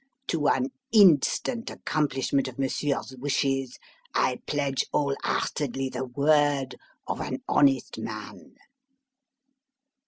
To an instant accomplishment of Monsieur's wishes I pledge whole heartedly the word of an honest man."